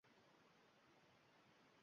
Topshiriq emas u, yumush emas u.